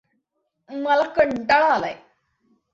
मला कंटाळा आलाय.